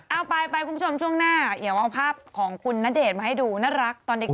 เอาไปไปคุณผู้ชมช่วงหน้าเดี๋ยวเอาภาพของคุณณเดชน์มาให้ดูน่ารักตอนเด็ก